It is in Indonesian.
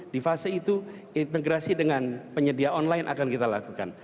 di fase itu integrasi dengan penyedia online akan kita lakukan